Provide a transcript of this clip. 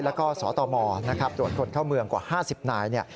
แล้วก็สตมตรวจคนเข้าเมืองกว่า๕๐นาย